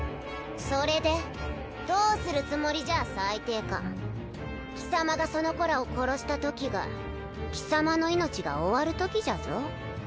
それでどうするつもりじゃ裁定官貴様がその子らを殺したときが貴様の命が終わるときじゃぞ